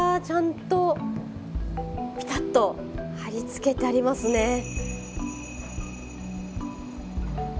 ちゃんとぴたっと貼りつけてありますね。